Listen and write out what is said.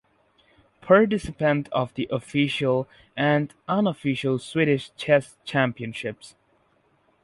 Participant of the official and unofficial Swedish Chess Championships.